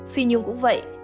phi nhung cũng vậy